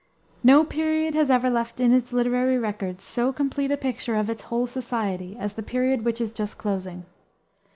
No period has ever left in its literary records so complete a picture of its whole society as the period which is just closing.